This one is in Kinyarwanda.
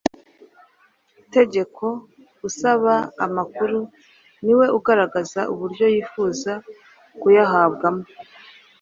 tegeko. Usaba amakuru ni we ugaragaza uburyo yifuza kuyahabwamo.